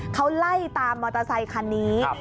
เขาไล่ตามมอเตอร์ไซคันนี้